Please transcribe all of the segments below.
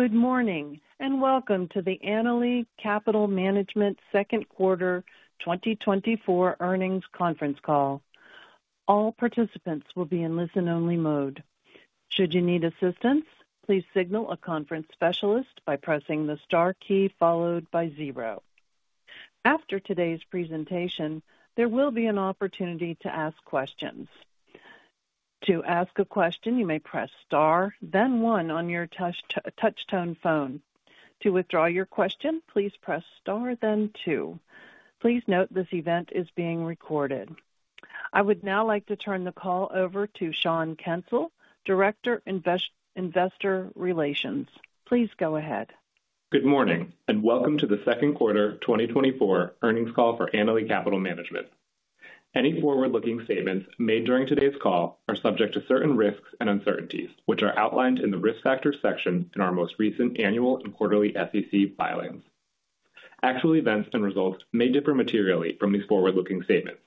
Good morning, and welcome to the Annaly Capital Management Second Quarter 2024 Earnings Conference Call. All participants will be in listen-only mode. Should you need assistance, please signal a conference specialist by pressing the star key followed by zero. After today's presentation, there will be an opportunity to ask questions. To ask a question, you may press Star, then one on your touchtone phone. To withdraw your question, please press Star then two. Please note this event is being recorded. I would now like to turn the call over to Sean Kensil, Director, Investor Relations. Please go ahead. Good morning, and welcome to the second quarter 2024 earnings call for Annaly Capital Management. Any forward-looking statements made during today's call are subject to certain risks and uncertainties, which are outlined in the Risk Factors section in our most recent annual and quarterly SEC filings. Actual events and results may differ materially from these forward-looking statements.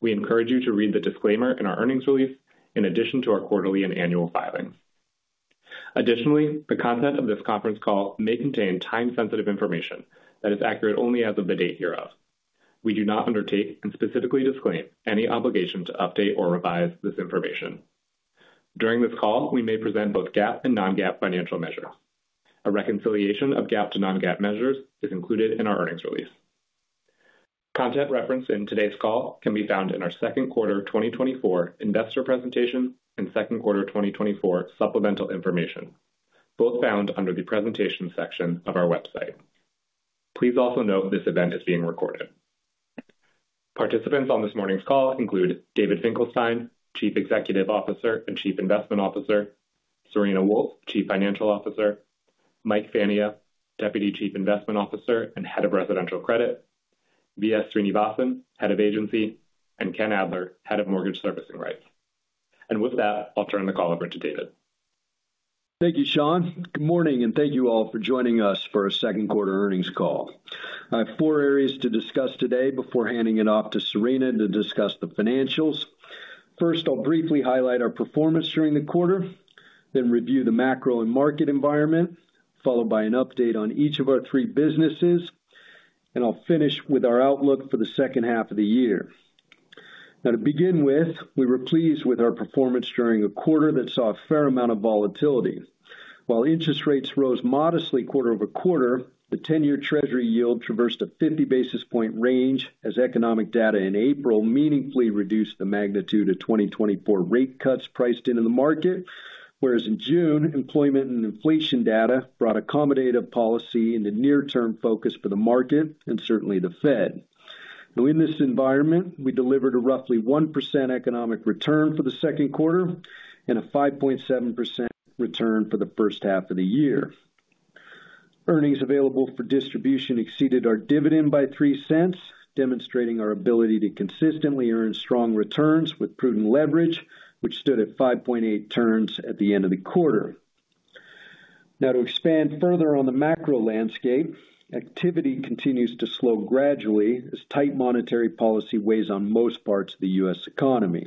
We encourage you to read the disclaimer in our earnings release in addition to our quarterly and annual filings. Additionally, the content of this conference call may contain time-sensitive information that is accurate only as of the date hereof. We do not undertake and specifically disclaim any obligation to update or revise this information. During this call, we may present both GAAP and non-GAAP financial measures. A reconciliation of GAAP to non-GAAP measures is included in our earnings release. Content referenced in today's call can be found in our second quarter 2024 Investor Presentation and second quarter 2024 Supplemental Information, both found under the Presentation section of our website. Please also note this event is being recorded. Participants on this morning's call include David Finkelstein, Chief Executive Officer and Chief Investment Officer, Serena Wolfe, Chief Financial Officer, Mike Fania, Deputy Chief Investment Officer and Head of Residential Credit, V.S. Srinivasan, Head of Agency, and Ken Adler, Head of Mortgage Servicing Rights. With that, I'll turn the call over to David. Thank you, Sean. Good morning, and thank you all for joining us for our second quarter earnings call. I have four areas to discuss today before handing it off to Serena to discuss the financials. First, I'll briefly highlight our performance during the quarter, then review the macro and market environment, followed by an update on each of our three businesses, and I'll finish with our outlook for the second half of the year. Now, to begin with, we were pleased with our performance during a quarter that saw a fair amount of volatility. While interest rates rose modestly quarter-over-quarter, the ten-year Treasury yield traversed a 50 basis point range as economic data in April meaningfully reduced the magnitude of 2024 rate cuts priced into the market, whereas in June, employment and inflation data brought accommodative policy in the near-term focus for the market and certainly the Fed. Now, in this environment, we delivered a roughly 1% economic return for the second quarter and a 5.7% return for the first half of the year. Earnings Available for Distribution exceeded our dividend by $0.03, demonstrating our ability to consistently earn strong returns with prudent leverage, which stood at 5.8 turns at the end of the quarter. Now, to expand further on the macro landscape, activity continues to slow gradually as tight monetary policy weighs on most parts of the U.S. economy.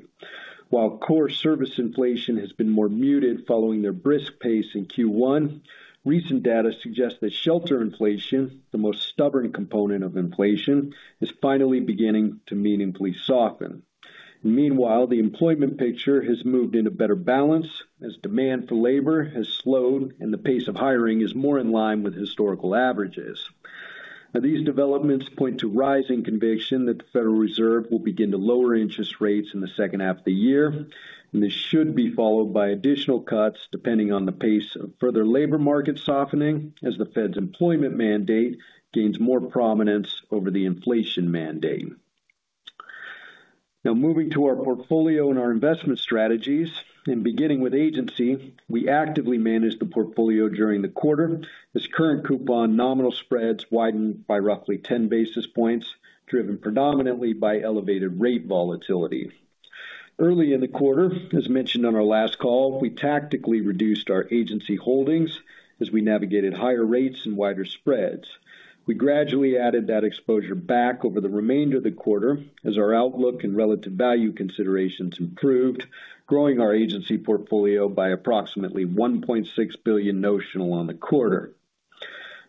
While core service inflation has been more muted following their brisk pace in Q1, recent data suggests that shelter inflation, the most stubborn component of inflation, is finally beginning to meaningfully soften. Meanwhile, the employment picture has moved into better balance as demand for labor has slowed and the pace of hiring is more in line with historical averages. Now, these developments point to rising conviction that the Federal Reserve will begin to lower interest rates in the second half of the year, and this should be followed by additional cuts, depending on the pace of further labor market softening, as the Fed's employment mandate gains more prominence over the inflation mandate. Now, moving to our portfolio and our investment strategies, and beginning with Agency, we actively managed the portfolio during the quarter as current coupon nominal spreads widened by roughly 10 basis points, driven predominantly by elevated rate volatility. Early in the quarter, as mentioned on our last call, we tactically reduced our Agency holdings as we navigated higher rates and wider spreads. We gradually added that exposure back over the remainder of the quarter as our outlook and relative value considerations improved, growing our Agency portfolio by approximately $1.6 billion notional on the quarter.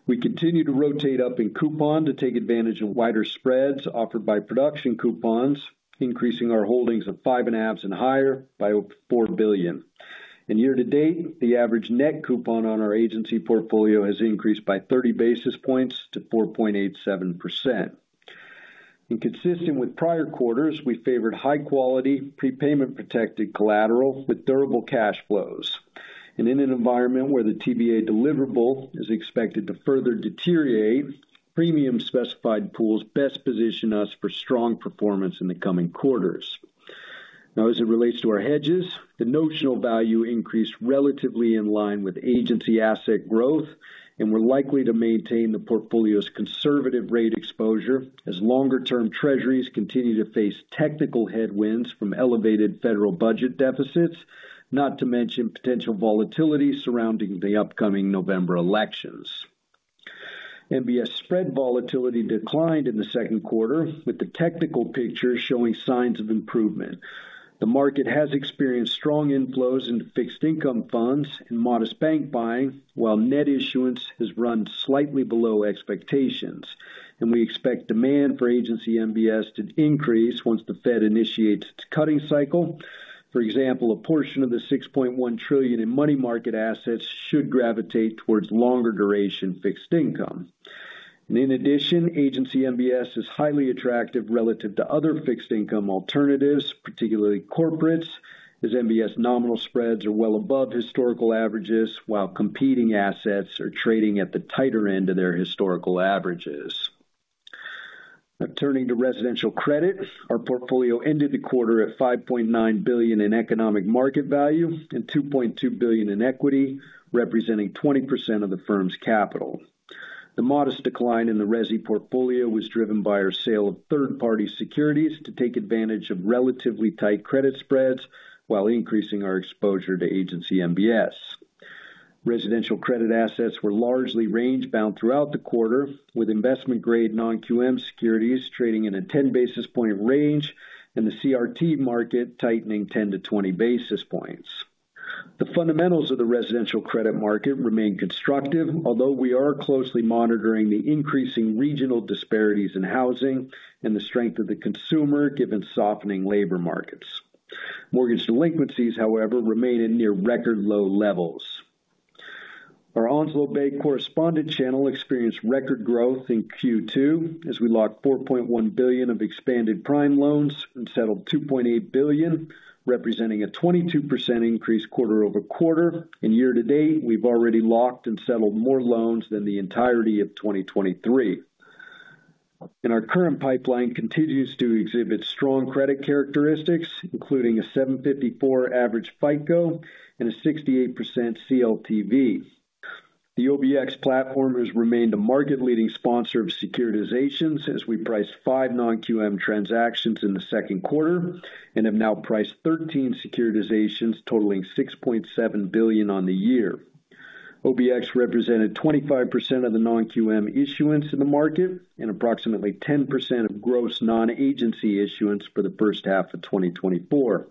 We continue to rotate up in coupon to take advantage of wider spreads offered by production coupons, increasing our holdings of 5.5s and higher by over $4 billion. Year to date, the average net coupon on our Agency portfolio has increased by 30 basis points to 4.87%. Consistent with prior quarters, we favored high quality, prepayment-protected collateral with durable cash flows. And in an environment where the TBA deliverable is expected to further deteriorate, premium specified pools best position us for strong performance in the coming quarters. Now, as it relates to our hedges, the notional value increased relatively in line with Agency Asset Growth, and we're likely to maintain the portfolio's conservative rate exposure as longer term Treasuries continue to face technical headwinds from elevated federal budget deficits, not to mention potential volatility surrounding the upcoming November elections... MBS spread volatility declined in the second quarter, with the technical picture showing signs of improvement. The market has experienced strong inflows into fixed income funds and modest bank buying, while net issuance has run slightly below expectations. And we expect demand for Agency MBS to increase once the Fed initiates its cutting cycle. For example, a portion of the $6.1 trillion in money market assets should gravitate towards longer duration fixed income. In addition, Agency MBS is highly attractive relative to other fixed income alternatives, particularly corporates, as MBS nominal spreads are well above historical averages, while competing assets are trading at the tighter end of their historical averages. Now turning to residential credit. Our portfolio ended the quarter at $5.9 billion in economic market value and $2.2 billion in equity, representing 20% of the firm's capital. The modest decline in the resi portfolio was driven by our sale of third-party securities to take advantage of relatively tight credit spreads while increasing our exposure to Agency MBS. Residential credit assets were largely range-bound throughout the quarter, with investment-grade non-QM securities trading in a 10 basis point range and the CRT market tightening 10-20 basis points. The fundamentals of the residential credit market remain constructive, although we are closely monitoring the increasing regional disparities in housing and the strength of the consumer, given softening labor markets. Mortgage delinquencies, however, remain in near record low levels. Our Onslow Bay correspondent channel experienced record growth in Q2, as we locked $4.1 billion of expanded prime loans and settled $2.8 billion, representing a 22% increase quarter-over-quarter. Year to date, we've already locked and settled more loans than the entirety of 2023. Our current pipeline continues to exhibit strong credit characteristics, including a 754 average FICO and a 68% CLTV. The OBX platform has remained a market-leading sponsor of securitizations as we priced 5 non-QM transactions in the second quarter and have now priced 13 securitizations, totaling $6.7 billion on the year. OBX represented 25% of the non-QM issuance in the market and approximately 10% of gross non-Agency issuance for the first half of 2024.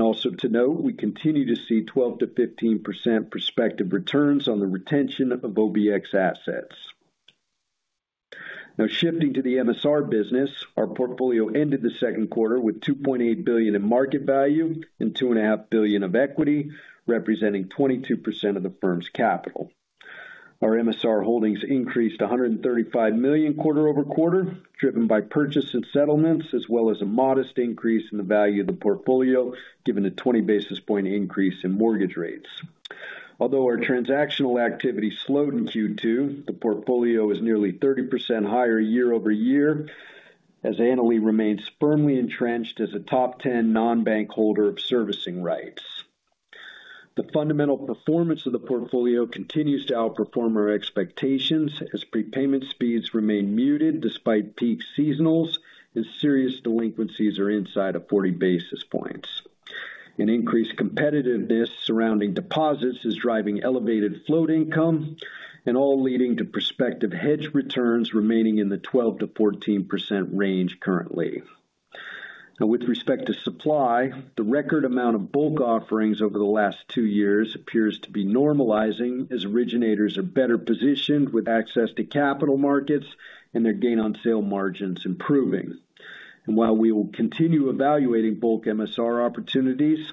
Also to note, we continue to see 12%-15% prospective returns on the retention of OBX assets. Now, shifting to the MSR business, our portfolio ended the second quarter with $2.8 billion in market value and $2.5 billion of equity, representing 22% of the firm's capital. Our MSR holdings increased to $135 million quarter-over-quarter, driven by purchase and settlements, as well as a modest increase in the value of the portfolio, given a 20 basis point increase in mortgage rates. Although our transactional activity slowed in Q2, the portfolio is nearly 30% higher year-over-year, as Annaly remains firmly entrenched as a top 10 non-bank holder of servicing rights. The fundamental performance of the portfolio continues to outperform our expectations as prepayment speeds remain muted despite peak seasonals, as serious delinquencies are inside of 40 basis points. An increased competitiveness surrounding deposits is driving elevated float income and all leading to prospective hedge returns remaining in the 12%-14% range currently. Now, with respect to supply, the record amount of bulk offerings over the last two years appears to be normalizing, as originators are better positioned with access to capital markets and their gain on sale margins improving. While we will continue evaluating bulk MSR opportunities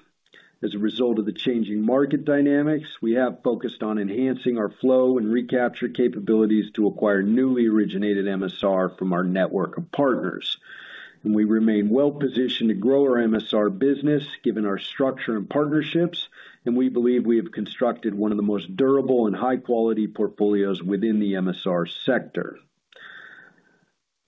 as a result of the changing market dynamics, we have focused on enhancing our flow and recapture capabilities to acquire newly originated MSR from our network of partners. We remain well positioned to grow our MSR business, given our structure and partnerships, and we believe we have constructed one of the most durable and high-quality portfolios within the MSR sector.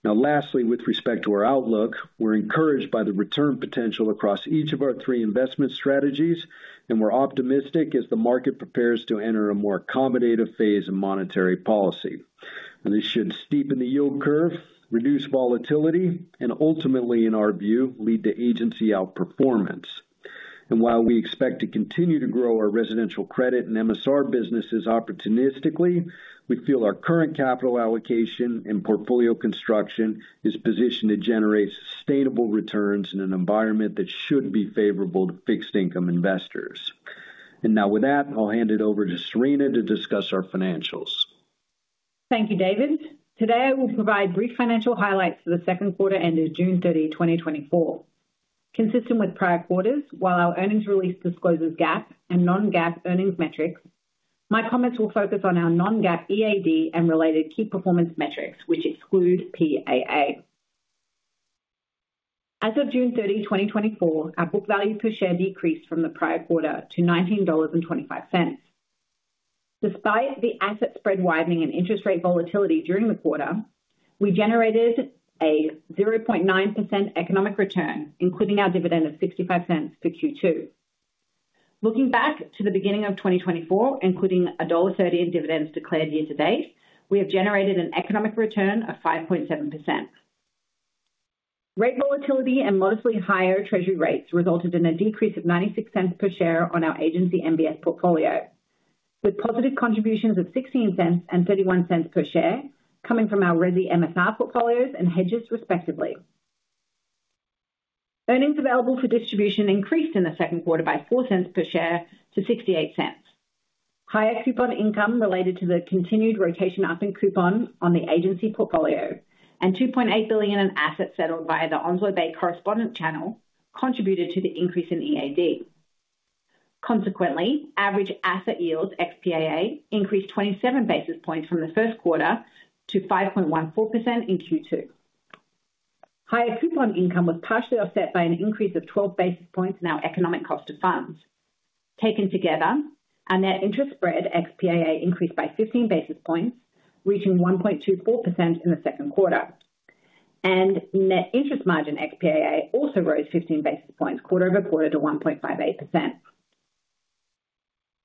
Now lastly, with respect to our outlook, we're encouraged by the return potential across each of our three investment strategies, and we're optimistic as the market prepares to enter a more accommodative phase of monetary policy. This should steepen the yield curve, reduce volatility, and ultimately, in our view, lead to Agency outperformance. While we expect to continue to grow our residential credit and MSR businesses opportunistically, we feel our current capital allocation and portfolio construction is positioned to generate sustainable returns in an environment that should be favorable to fixed income investors. Now, with that, I'll hand it over to Serena to discuss our financials. Thank you, David. Today, I will provide brief financial highlights for the second quarter ended June 30, 2024. Consistent with prior quarters, while our earnings release discloses GAAP and non-GAAP earnings metrics, my comments will focus on our non-GAAP EAD and related key performance metrics, which exclude PAA. As of June 30, 2024, our book value per share decreased from the prior quarter to $19.25. Despite the asset spread widening and interest rate volatility during the quarter, we generated a 0.9% economic return, including our dividend of $0.65 for Q2. Looking back to the beginning of 2024, including $1.30 in dividends declared year to date, we have generated an economic return of 5.7%. Rate volatility and modestly higher Treasury rates resulted in a decrease of $0.96 per share on our Agency MBS portfolio, with positive contributions of $0.16 and $0.31 per share coming from our resi MSR portfolios and hedges, respectively. Earnings Available for Distribution increased in the second quarter by $0.04 per share to $0.68. Higher coupon income related to the continued rotation up in coupon on the Agency portfolio, and $2.8 billion in assets settled via the Onslow Bay-based correspondent channel contributed to the increase in EAD. Consequently, average asset yield, ex PAA, increased 27 basis points from the first quarter to 5.14% in Q2. Higher coupon income was partially offset by an increase of 12 basis points in our economic cost of funds. Taken together, our net interest spread, ex PAA, increased by 15 basis points, reaching 1.24% in the second quarter. Net interest margin, ex PAA, also rose 15 basis points quarter over quarter to 1.58%.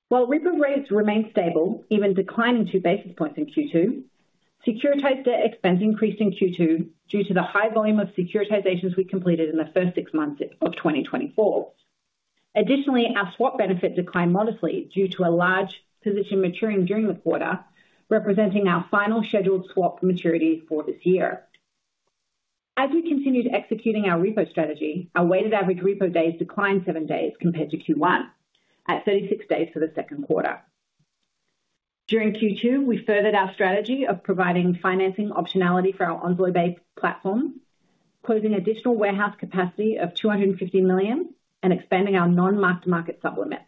While repo rates remained stable, even declining 2 basis points in Q2, securitized debt expense increased in Q2 due to the high volume of securitizations we completed in the first six months of 2024. Additionally, our swap benefit declined modestly due to a large position maturing during the quarter, representing our final scheduled swap maturity for this year. As we continued executing our repo strategy, our weighted average repo days declined 7 days compared to Q1, at 36 days for the second quarter. During Q2, we furthered our strategy of providing financing optionality for our Onslow Bay-based platform, closing additional warehouse capacity of $250 million and expanding our non-mark-to-market sub-limits.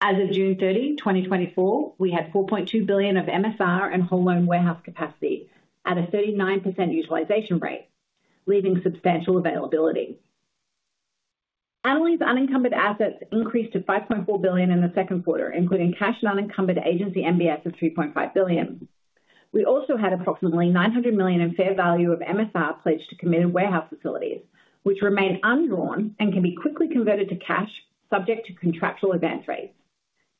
As of June 30, 2024, we had $4.2 billion of MSR and whole loan warehouse capacity at a 39% utilization rate, leaving substantial availability. Annaly's unencumbered assets increased to $5.4 billion in the second quarter, including cash and unencumbered Agency MBS of $3.5 billion. We also had approximately $900 million in fair value of MSR pledged to committed warehouse facilities, which remain undrawn and can be quickly converted to cash, subject to contractual event rates.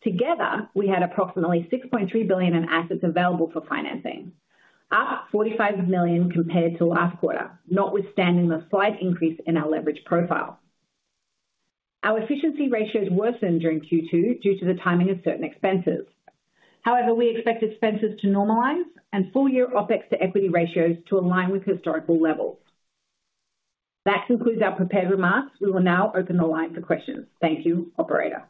Together, we had approximately $6.3 billion in assets available for financing, up $45 million compared to last quarter, notwithstanding the slight increase in our leverage profile. Our efficiency ratios worsened during Q2 due to the timing of certain expenses. However, we expect expenses to normalize and full-year OPEX to equity ratios to align with historical levels. That concludes our prepared remarks. We will now open the line for questions. Thank you, operator.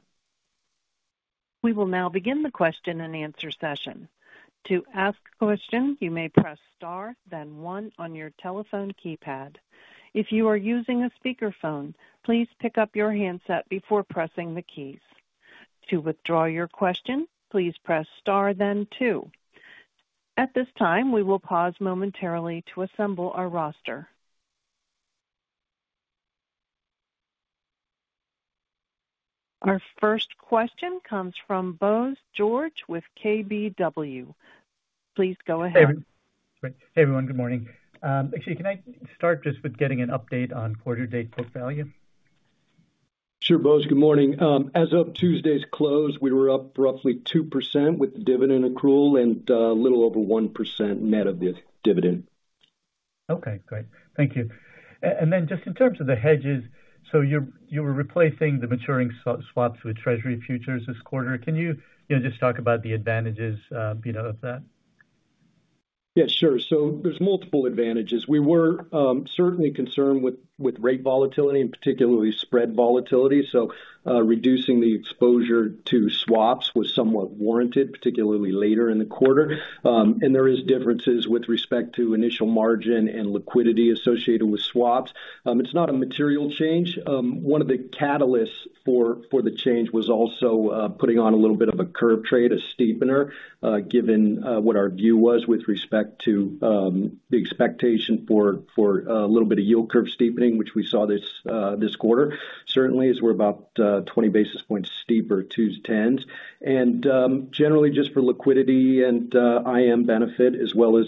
We will now begin the question and answer session. To ask a question, you may press star, then one on your telephone keypad. If you are using a speakerphone, please pick up your handset before pressing the keys. To withdraw your question, please press star then two. At this time, we will pause momentarily to assemble our roster. Our first question comes from Bose George with KBW. Please go ahead. Hey, everyone. Good morning. Actually, can I start just with getting an update on quarter to date book value? Sure, Bose. Good morning. As of Tuesday's close, we were up roughly 2% with the dividend accrual and, a little over 1% net of the dividend. Okay, great. Thank you. And then just in terms of the hedges, so you were replacing the maturing swaps with Treasury futures this quarter. Can you, you know, just talk about the advantages, you know, of that? Yeah, sure. So there's multiple advantages. We were certainly concerned with rate volatility and particularly spread volatility. So, reducing the exposure to swaps was somewhat warranted, particularly later in the quarter. And there is differences with respect to initial margin and liquidity associated with swaps. It's not a material change. One of the catalysts for the change was also putting on a little bit of a curve trade, a steepener, given what our view was with respect to the expectation for a little bit of yield curve steepening, which we saw this quarter. Certainly, as we're about 20 basis points steeper, 2s10s. And generally just for liquidity and IM benefit, as well as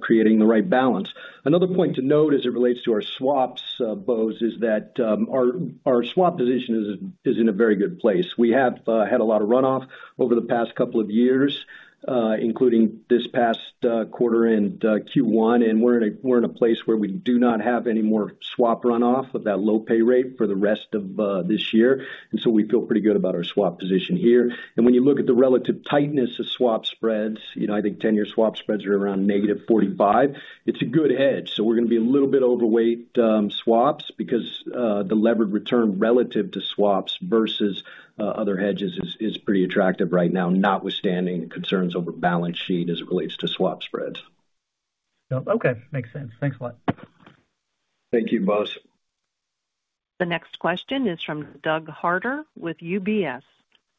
creating the right balance. Another point to note as it relates to our swaps, Bose, is that our swap position is in a very good place. We have had a lot of runoff over the past couple of years, including this past quarter and Q1, and we're in a place where we do not have any more swap runoff at that low pay rate for the rest of this year. And so we feel pretty good about our swap position here. And when you look at the relative tightness of swap spreads, you know, I think ten-year swap spreads are around negative 45. It's a good hedge, so we're going to be a little bit overweight swaps, because the levered return relative to swaps versus other hedges is pretty attractive right now, notwithstanding the concerns over balance sheet as it relates to swap spreads. Okay, makes sense. Thanks a lot. Thank you, Bose. The next question is from Doug Harter with UBS.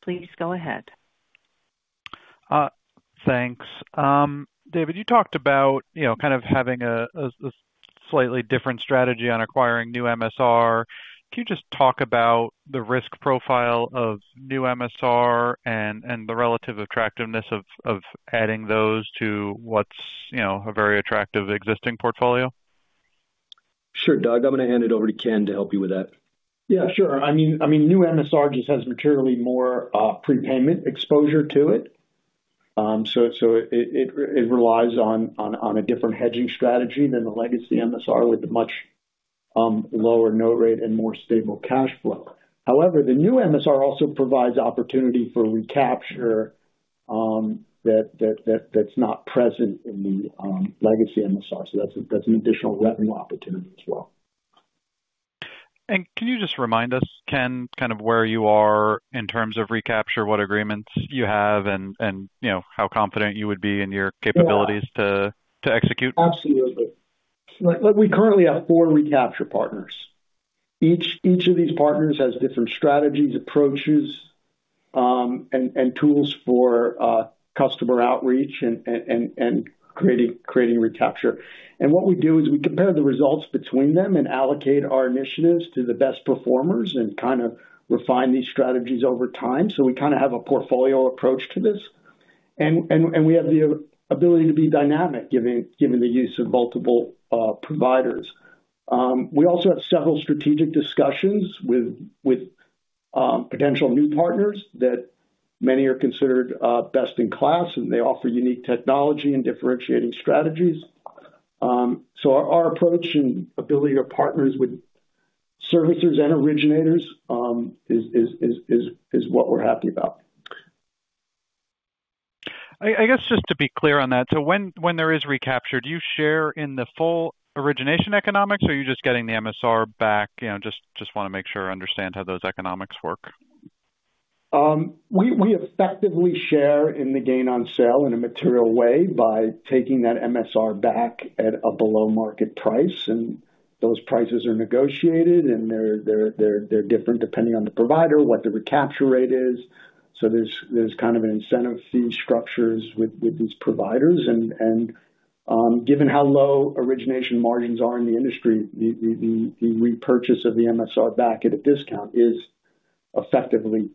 Please go ahead. Thanks. David, you talked about, you know, kind of having a slightly different strategy on acquiring new MSR. Can you just talk about the risk profile of new MSR and the relative attractiveness of adding those to what's, you know, a very attractive existing portfolio? Sure, Doug, I'm going to hand it over to Ken to help you with that. Yeah, sure. I mean, new MSR just has materially more prepayment exposure to it. So it relies on a different hedging strategy than the legacy MSR, with a much lower note rate and more stable cash flow. However, the new MSR also provides opportunity for recapture that that's not present in the legacy MSR. So that's an additional revenue opportunity as well. Can you just remind us, Ken, kind of where you are in terms of recapture, what agreements you have, and, you know, how confident you would be in your capabilities to execute? Absolutely. Look, we currently have four recapture partners. Each of these partners has different strategies, approaches, and creating recapture. And what we do is we compare the results between them and allocate our initiatives to the best performers and kind of refine these strategies over time. So we kind of have a portfolio approach to this, and we have the ability to be dynamic, given the use of multiple providers. We also have several strategic discussions with potential new partners that many are considered best in class, and they offer unique technology and differentiating strategies. So our approach and ability to partners with servicers and originators is what we're happy about. I guess, just to be clear on that, so when there is recapture, do you share in the full origination economics, or are you just getting the MSR back? You know, just wanna make sure I understand how those economics work. We effectively share in the gain on sale in a material way by taking that MSR back at a below-market price, and those prices are negotiated, and they're different depending on the provider, what the recapture rate is. So there's kind of an incentive fee structures with these providers. And, given how low origination margins are in the industry, the repurchase of the MSR back at a discount is effectively,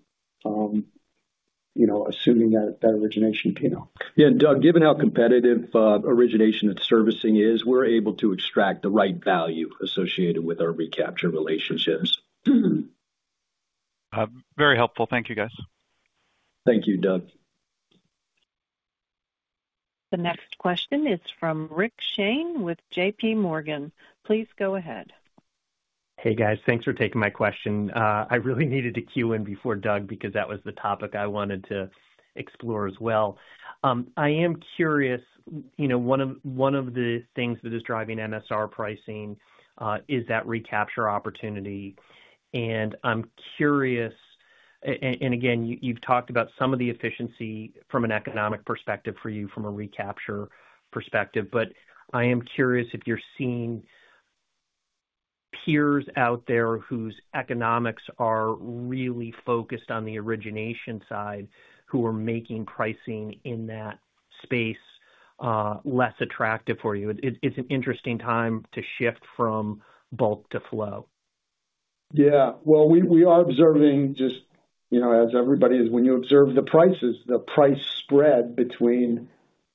you know, assuming that origination payment. Yeah, and Doug, given how competitive origination and servicing is, we're able to extract the right value associated with our recapture relationships. Very helpful. Thank you, guys. Thank you, Doug. The next question is from Rick Shane with JPMorgan. Please go ahead. Hey, guys. Thanks for taking my question. I really needed to queue in before Doug, because that was the topic I wanted to explore as well. I am curious, you know, one of the things that is driving MSR pricing is that recapture opportunity. And I'm curious and again, you've talked about some of the efficiency from an economic perspective for you from a recapture perspective, but I am curious if you're seeing peers out there whose economics are really focused on the origination side, who are making pricing in that space less attractive for you. It's an interesting time to shift from bulk to flow. Yeah. Well, we are observing just, you know, as everybody is, when you observe the prices, the price spread between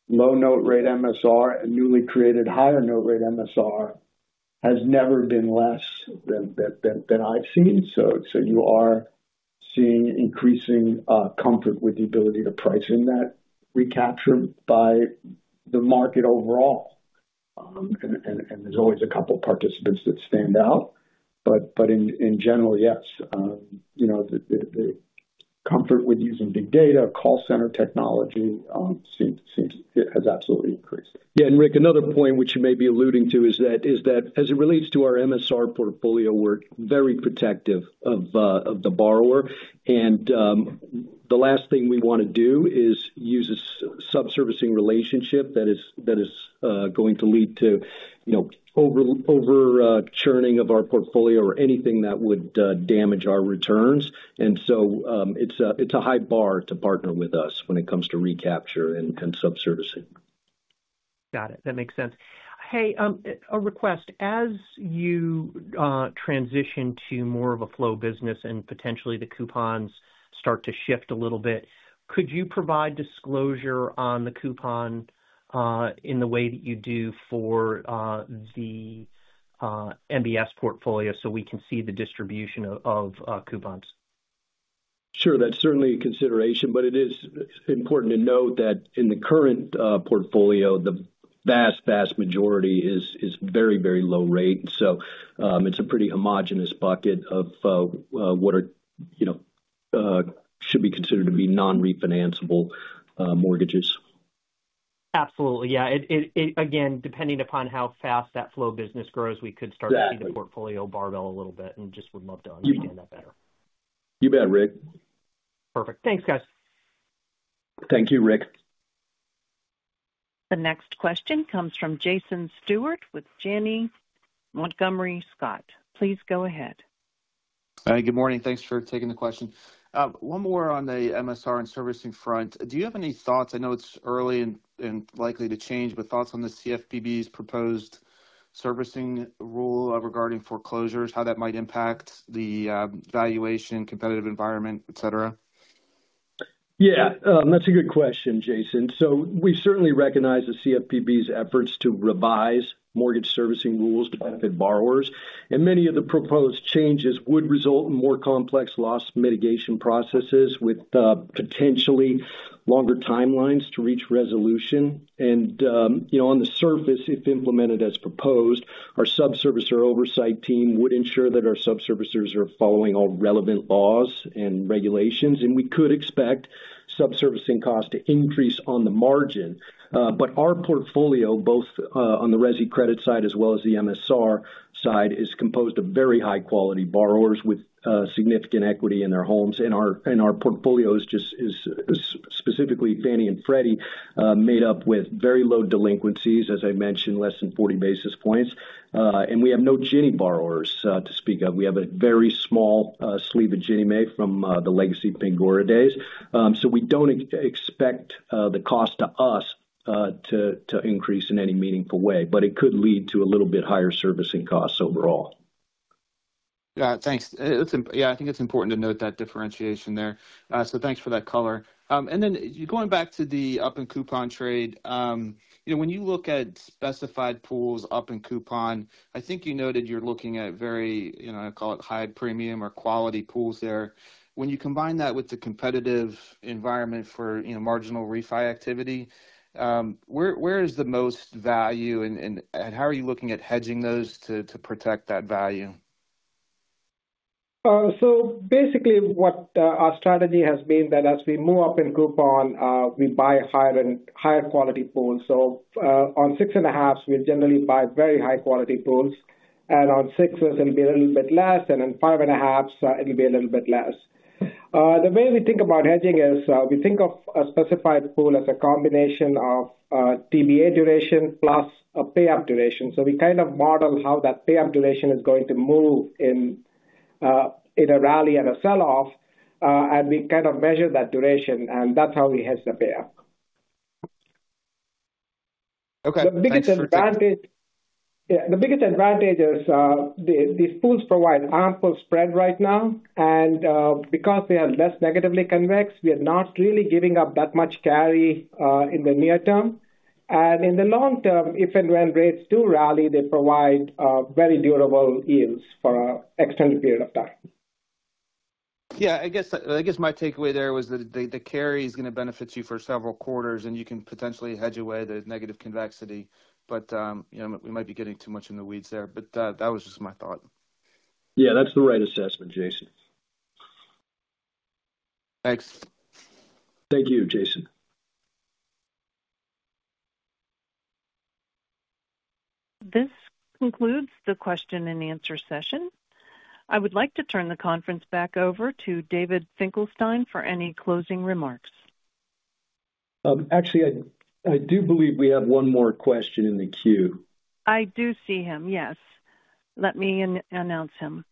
low note rate MSR and newly created higher note rate MSR, has never been less than I've seen. So, you are seeing increasing comfort with the ability to price in that recapture by the market overall. And, there's always a couple participants that stand out, but in general, yes, you know, the comfort with using big data, call center technology, seems. It has absolutely increased. Yeah, and Rick, another point which you may be alluding to is that as it relates to our MSR portfolio, we're very protective of the borrower. And the last thing we want to do is use a sub-servicing relationship that is going to lead to, you know, over churning of our portfolio or anything that would damage our returns. And so, it's a high bar to partner with us when it comes to recapture and sub-servicing. Got it. That makes sense. Hey, a request. As you transition to more of a flow business and potentially the coupons start to shift a little bit, could you provide disclosure on the coupon in the way that you do for the MBS portfolio so we can see the distribution of coupons? Sure. That's certainly a consideration, but it is important to note that in the current portfolio, the vast, vast majority is, is very, very low rate. So, it's a pretty homogeneous bucket of, what are, you know, should be considered to be non-refinanceable, mortgages. Absolutely. Yeah, it, again, depending upon how fast that flow business grows, we could start- Yeah - to see the portfolio barbell a little bit, and just would love to understand that better. You bet, Rick. Perfect. Thanks, guys. Thank you, Rick. The next question comes from Jason Stewart, with Janney Montgomery Scott. Please go ahead. Good morning. Thanks for taking the question. One more on the MSR and servicing front. Do you have any thoughts... I know it's early and likely to change, but thoughts on the CFPB's proposed servicing rule regarding foreclosures, how that might impact the valuation, competitive environment, et cetera?... Yeah, that's a good question, Jason. So we certainly recognize the CFPB's efforts to revise mortgage servicing rules to benefit borrowers, and many of the proposed changes would result in more complex loss mitigation processes with potentially longer timelines to reach resolution. And you know, on the surface, if implemented as proposed, our sub-servicer oversight team would ensure that our sub-servicers are following all relevant laws and regulations, and we could expect sub-servicing costs to increase on the margin. But our portfolio, both on the resi credit side as well as the MSR side, is composed of very high-quality borrowers with significant equity in their homes. And our portfolios just is specifically Fannie and Freddie made up with very low delinquencies, as I mentioned, less than 40 basis points. And we have no Ginnie borrowers to speak of. We have a very small sleeve of Ginnie Mae from the legacy Pingora days. So we don't expect the cost to us to increase in any meaningful way, but it could lead to a little bit higher servicing costs overall. Yeah, thanks. Yeah, I think it's important to note that differentiation there. So thanks for that color. And then going back to the up in coupon trade, you know, when you look at specified pools up in coupon, I think you noted you're looking at very, you know, call it high premium or quality pools there. When you combine that with the competitive environment for, you know, marginal refi activity, where is the most value, and how are you looking at hedging those to protect that value? So basically, our strategy has been that as we move up in coupon, we buy higher and higher quality pools. So, on 6.5s, we generally buy very high-quality pools, and on 6s it'll be a little bit less, and then 5.5s, it'll be a little bit less. The way we think about hedging is, we think of a specified pool as a combination of TBA duration plus a pay-up duration. So we kind of model how that pay-up duration is going to move in a rally and a sell-off, and we kind of measure that duration, and that's how we hedge the pay-up. Okay, thanks for- The biggest advantage... Yeah, the biggest advantage is, the, these pools provide ample spread right now, and, because they are less negatively convex, we are not really giving up that much carry, in the near term. And in the long term, if and when rates do rally, they provide, very durable yields for an extended period of time. Yeah, I guess, I guess my takeaway there was that the, the carry is gonna benefit you for several quarters, and you can potentially hedge away the negative convexity. But, you know, we might be getting too much in the weeds there, but that, that was just my thought. Yeah, that's the right assessment, Jason. Thanks. Thank you, Jason. This concludes the question and answer session. I would like to turn the conference back over to David Finkelstein for any closing remarks. Actually, I do believe we have one more question in the queue. I do see him, yes. Let me announce him.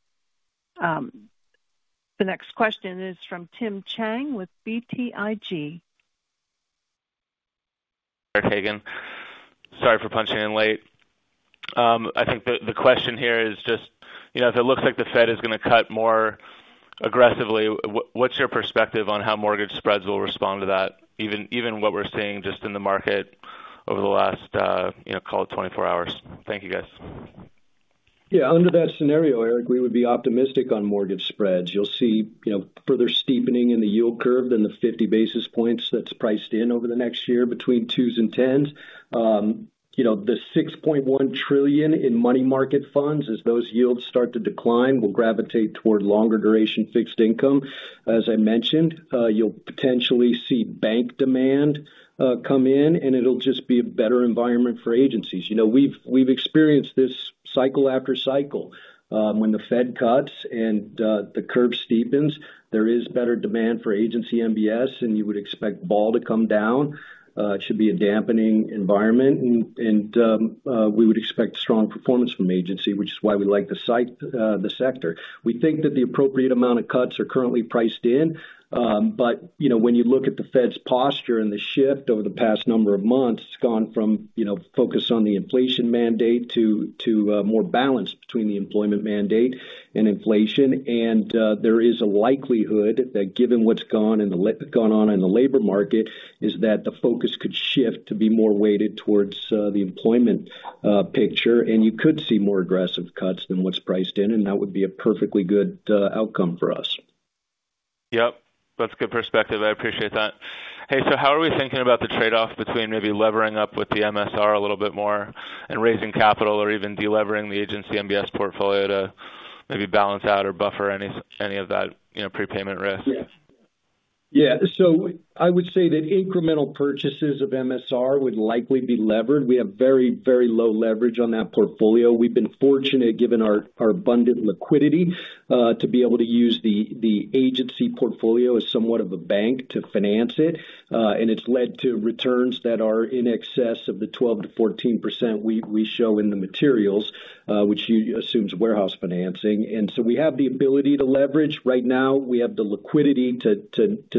The next question is from Tim Chang with BTIG. Eric Hagen. Sorry for punching in late. I think the question here is just, you know, if it looks like the Fed is gonna cut more aggressively, what's your perspective on how mortgage spreads will respond to that? Even what we're seeing just in the market over the last, you know, call it 24 hours. Thank you, guys. Yeah, under that scenario, Eric, we would be optimistic on mortgage spreads. You'll see, you know, further steepening in the yield curve than the 50 basis points that's priced in over the next year between 2s and 10s. You know, the $6.1 trillion in money market funds, as those yields start to decline, will gravitate toward longer duration fixed income. As I mentioned, you'll potentially see bank demand come in, and it'll just be a better environment for agencies. You know, we've experienced this cycle after cycle. When the Fed cuts and the curve steepens, there is better demand for Agency MBS, and you would expect vol to come down. It should be a dampening environment, and we would expect strong performance from Agency, which is why we like this, the sector. We think that the appropriate amount of cuts are currently priced in. But, you know, when you look at the Fed's posture and the shift over the past number of months, it's gone from, you know, focus on the inflation mandate to more balance between the employment mandate and inflation. And there is a likelihood that given what's gone on in the labor market, is that the focus could shift to be more weighted towards the employment picture, and you could see more aggressive cuts than what's priced in, and that would be a perfectly good outcome for us. Yep, that's good perspective. I appreciate that. Hey, so how are we thinking about the trade-off between maybe levering up with the MSR a little bit more and raising capital or even de-levering the Agency MBS portfolio to maybe balance out or buffer any, any of that, you know, prepayment risk? Yeah. Yeah, so I would say that incremental purchases of MSR would likely be levered. We have very, very low leverage on that portfolio. We've been fortunate, given our abundant liquidity, to be able to use the Agency portfolio as somewhat of a bank to finance it. And it's led to returns that are in excess of the 12%-14% we show in the materials, which assumes warehouse financing, and so we have the ability to leverage. Right now, we have the liquidity to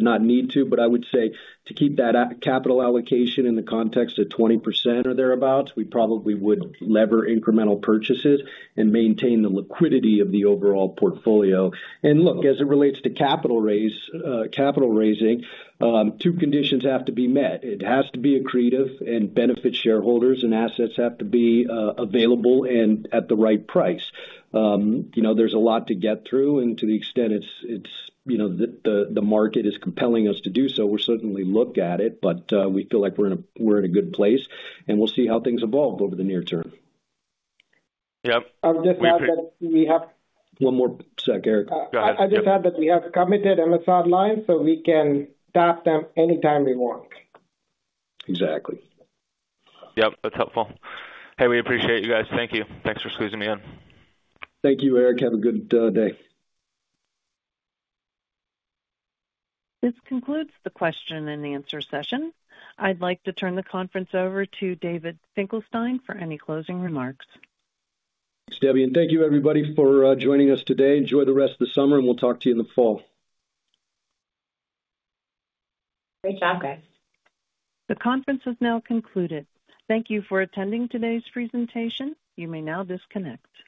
not need to, but I would say to keep that capital allocation in the context of 20% or thereabouts, we probably would lever incremental purchases and maintain the liquidity of the overall portfolio. And look, as it relates to capital raise, capital raising, two conditions have to be met. It has to be accretive and benefit shareholders, and assets have to be available and at the right price. You know, there's a lot to get through, and to the extent it's you know the market is compelling us to do so, we'll certainly look at it, but we feel like we're in a good place, and we'll see how things evolve over the near term. Yep. I'll just add that we have- One more sec, Eric. Go ahead. I just add that we have committed MSR line, so we can tap them anytime we want. Exactly. Yep, that's helpful. Hey, we appreciate you guys. Thank you. Thanks for squeezing me in. Thank you, Eric. Have a good day. This concludes the question and answer session. I'd like to turn the conference over to David Finkelstein for any closing remarks. Thanks, Debbie, and thank you, everybody, for joining us today. Enjoy the rest of the summer, and we'll talk to you in the fall. Great job, guys. The conference is now concluded. Thank you for attending today's presentation. You may now disconnect.